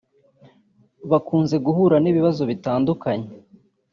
bakunze guhura n’ibibazo bitandukanye